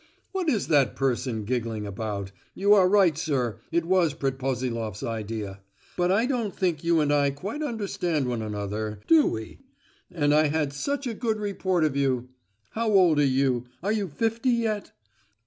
"What is that person giggling about? You are right, sir, it was Predposiloff's idea. But I don't think you and I quite understand one another, do we? and I had such a good report of you. How old are you? Are you fifty yet?"